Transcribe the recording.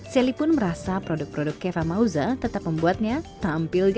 sally pun merasa produk produk kepa mausa tetap membuatnya tampil gaya